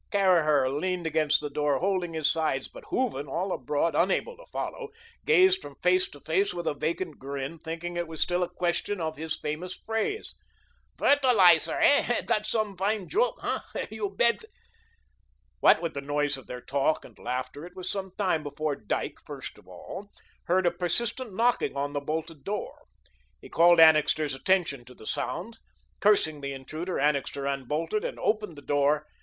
Caraher leaned against the door, holding his sides, but Hooven, all abroad, unable to follow, gazed from face to face with a vacant grin, thinking it was still a question of his famous phrase. "Vertilizer, hey? Dots some fine joke, hey? You bedt." What with the noise of their talk and laughter, it was some time before Dyke, first of all, heard a persistent knocking on the bolted door. He called Annixter's attention to the sound. Cursing the intruder, Annixter unbolted and opened the door.